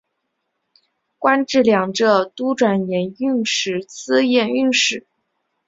官至两浙都转盐运使司盐运使。